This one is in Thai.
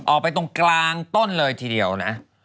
ออกไปตรงกลางต้นเลยทีเดียวนะ